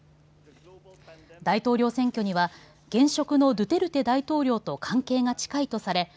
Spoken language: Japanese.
大統領選挙には現職のドゥテルテ大統領と関係が近いとされ